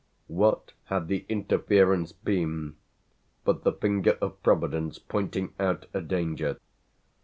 What had the interference been but the finger of providence pointing out a danger?